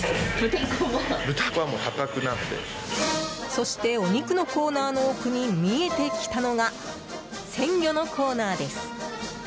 そして、お肉のコーナーの奥に見えてきたのが鮮魚のコーナーです。